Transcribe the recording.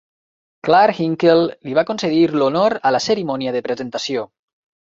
Clarke Hinkle li va concedir l'honor a la cerimònia de presentació.